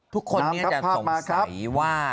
ทุกคนเนี้ยจะสงสัยว่า